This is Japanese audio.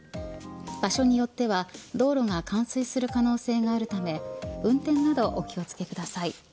場所によっては道路が冠水する可能性があるため運転などお気を付けください。